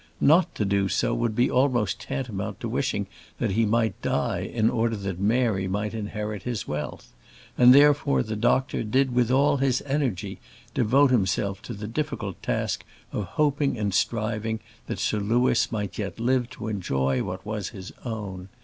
Not to do so would be almost tantamount to wishing that he might die in order that Mary might inherit his wealth; and, therefore, the doctor did with all his energy devote himself to the difficult task of hoping and striving that Sir Louis might yet live to enjoy what was his own.